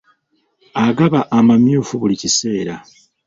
Agaba amamyufu buli kiseera.